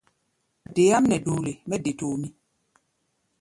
Wa deáʼm nɛ doole mɛ de tomʼí.